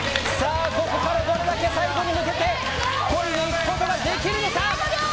ここからどれだけ最後に向けてこいでいくことができるのか。